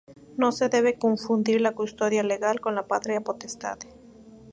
No se debe confundir la custodia legal con la patria potestad.